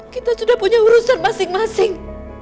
kita sudah punya urusan masing masing